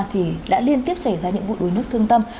thì đã liên tiếp xảy ra những vụ đuối nước thương tâm